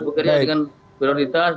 bukannya dengan prioritas